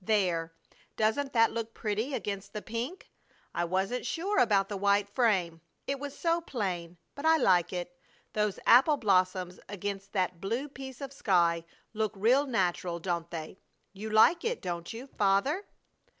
There! Doesn't that look pretty against the pink? I wasn't sure about the white frame, it was so plain, but I like it. Those apple blossoms against that blue piece of sky look real natural, don't they. You like it, don't you, Father?"